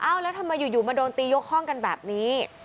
แล้วทำไมอยู่มาโดนตียกห้องกันแบบนี้